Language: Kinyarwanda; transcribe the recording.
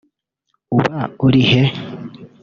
Uba uri he